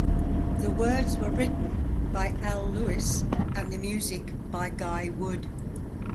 The words were written by Al Lewis and the music by Guy Wood.